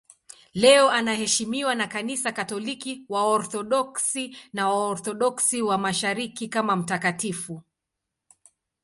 Leo anaheshimiwa na Kanisa Katoliki, Waorthodoksi na Waorthodoksi wa Mashariki kama mtakatifu.